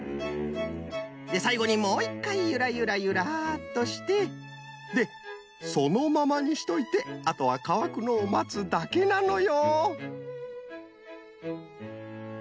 でさいごにもう１かいゆらゆらゆらっとしてでそのままにしといてあとはかわくのをまつだけなのよ。